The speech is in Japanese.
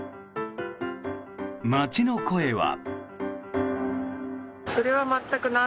街の声は。